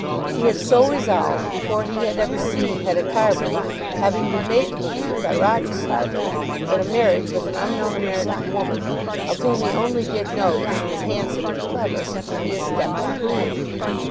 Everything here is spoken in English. He had so resolved before he had ever seen Hetta Carbury, having been made to believe by Roger Carbury that a marriage with an unknown American woman, of whom he only did know that she was handsome and clever, would be a step to ruin.